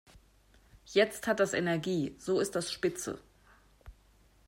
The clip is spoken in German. Jetzt hat das Energie, so ist das spitze.